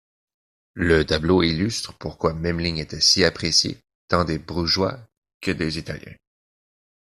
Le tableau illustre pourquoi Memling était si apprécié, tant des Brugeois que des italiens.